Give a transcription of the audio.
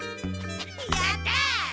やった！